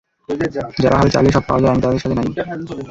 যারা ভাবে চাইলেই সব পাওয়া যায়, আমি আর তাদের সাথে নেই।